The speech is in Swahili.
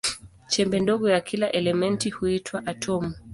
Chembe ndogo ya kila elementi huitwa atomu.